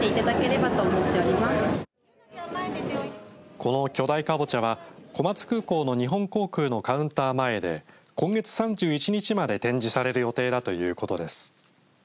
この巨大かぼちゃは小松空港の日本航空のカウンター前で今月３１日まで展示される予定だということです。